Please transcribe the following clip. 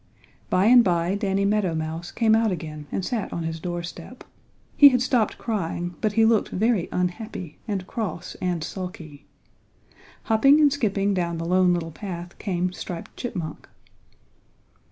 By and by Danny Meadow Mouse came out again and sat on his doorstep. He had stopped crying, but he looked very unhappy and cross and sulky. Hopping and skipping down the Lone Little Path came Striped Chipmunk.